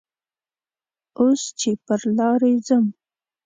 اوس چې پر لارې ځم